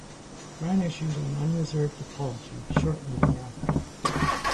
Brown issued an unreserved apology shortly thereafter.